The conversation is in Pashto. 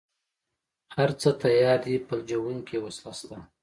هره څه تيار دي فلجوونکې وسله شته.